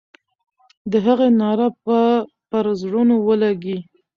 د هغې ناره به پر زړونو ولګي.